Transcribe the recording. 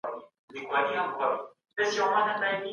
که انلاين کورس منظم وي زده کوونکي پلان تعقيبوي.